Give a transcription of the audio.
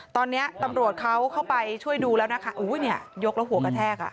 ตอนนี้ตำรวจเขาเข้าไปช่วยดูแล้วนะคะอุ้ยเนี่ยยกแล้วหัวกระแทกอ่ะ